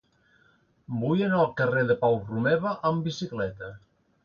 Vull anar al carrer de Pau Romeva amb bicicleta.